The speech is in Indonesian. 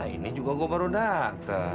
ini juga gue baru datang